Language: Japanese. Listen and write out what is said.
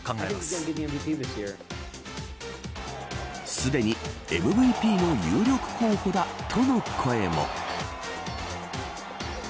すでにＭＶＰの有力候補だとの声も。